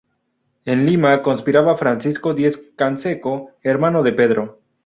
En Lima conspiraba Francisco Diez Canseco, hermano de Pedro.